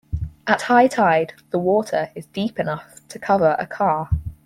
At high tide, the water is deep enough to cover a car.